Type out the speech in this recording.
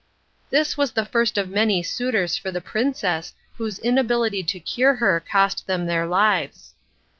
This was the first of many suitors for the princess whose inability to cure her cost them their lives.